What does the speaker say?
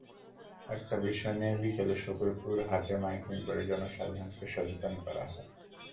একই বিষয় নিয়ে বিকেলে সখীপুর হাটে মাইকিং করে জনসাধারণকে সচেতন করা হয়।